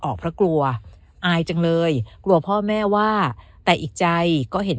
ออกเพราะกลัวอายจังเลยกลัวพ่อแม่ว่าแต่อีกใจก็เห็น